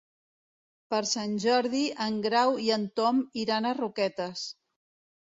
Per Sant Jordi en Grau i en Tom iran a Roquetes.